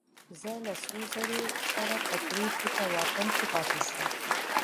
زه له سرو زرو سره په درې فوټه واټن کې پاتې شوم.